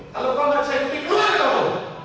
kalau kau bersekutu ikuti itu